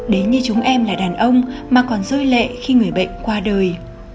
đến như chúng em là đàn ông mà còn rơi lệ khi người bệnh qua đời